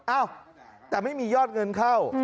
อ้าวแต่ไม่มียอดเงินเข้า